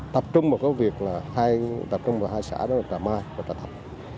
tập trung vào cái việc là hai xã đó là trà my và trà thập